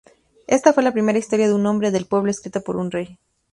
Esta fue la primera historia de un hombre del pueblo escrita por un rey.